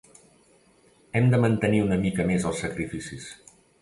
Hem de mantenir una mica més els sacrificis.